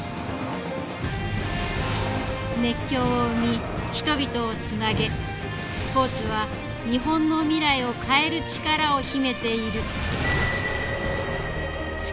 熱狂を生み人々をつなげスポーツは日本の未来を変える力を秘めている。